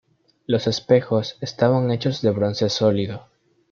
Los espejos estaban hechos de bronce sólido.